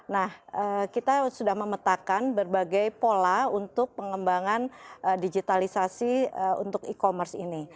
nah kita sudah memetakan berbagai pola untuk pengembangan digitalisasi untuk e commerce ini